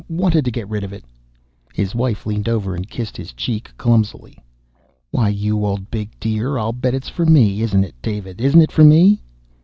Wanted to get rid of it." His wife leaned over and kissed his cheek clumsily. "Why, you old big dear! I'll bet it's for me. Isn't it, David? Isn't it for me?"